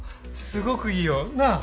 すごくいいよなっ。